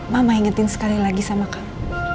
mama ingetin sekali lagi sama kamu